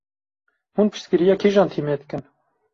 Hûn piştgiriya kîjan tîmê dikin?